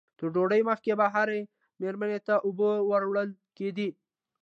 تر ډوډۍ مخکې به هرې مېرمنې ته اوبه ور وړل کېدې.